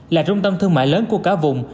là trung tâm thương mại lớn của cả vùng